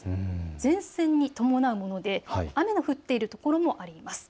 前線に伴うもので雨の降っているところもあります。